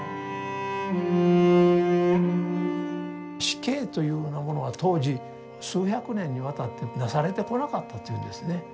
死刑というようなものは当時数百年にわたってなされてこなかったというんですね。